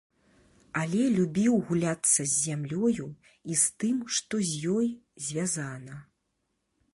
Але любіў гуляцца з зямлёю, і з тым, што з ёй звязана.